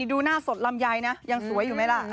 ดูหน้าสดลำไยนะยังสวยอยู่ไหมล่ะ